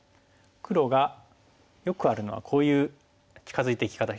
黒がよくあるのはこういう近づいていき方しますよね。